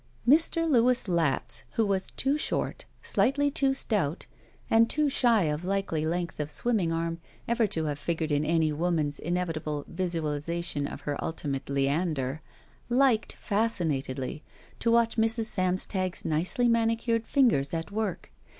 Mr. Louis Latz, who was too short, slightly too stout, and too shy of likely length of swimming arm ever to have figured in any woman's inevitable visualization of her ultimate Leander, liked, fas cinatedly, to watch Mrs. Samstag's nicely manicured fingers at work.